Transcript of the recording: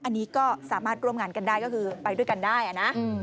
อันนี้ก็สามารถร่วมงานกันได้ก็คือไปด้วยกันได้นะ